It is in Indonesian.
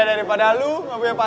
eh daripada lo ngapain ya pak